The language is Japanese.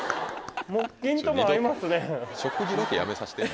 食事ロケやめさせて。